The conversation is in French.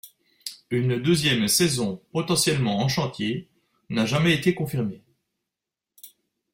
Une deuxième saison potentiellement en chantier n'a jamais été confirmée.